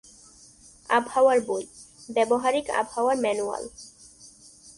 আবহাওয়ার বই: ব্যবহারিক আবহাওয়ার ম্যানুয়াল।